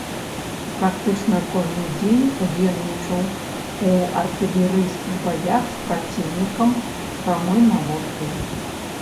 Практычна кожны дзень удзельнічаў у артылерыйскіх баях з праціўнікам прамой наводкай.